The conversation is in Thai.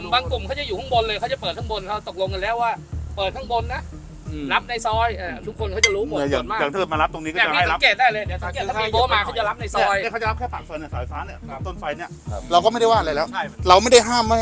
บางกลุ่มเขาจะอยู่ข้างบนเลยเขาจะเปิดข้างบน